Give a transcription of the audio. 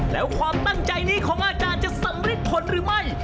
แล้วความตั้งใจนี้ของอาจารย์จะสำริดผลหรือไม่